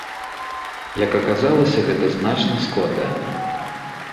Як аказалася, гэта значна складаней.